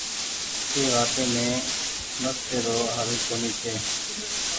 اي وآت مسلي رو هل ڪونيٚ ڇي۔